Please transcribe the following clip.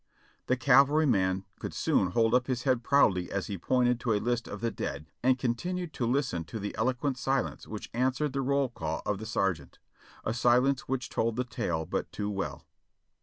The cavalryman could soon hold up his head proudly as he pointed to a list of the dead, and continued to listen to the eloquent silence which answered the roll call of the sergeant ; a silence which told the tale but too well.